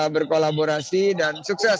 berkolaborasi dan sukses